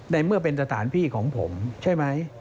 ในเมื่อเป็นสถานที่ของผมใช่ไหม